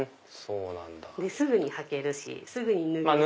すぐに履けるしすぐに脱げる。